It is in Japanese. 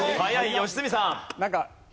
良純さん。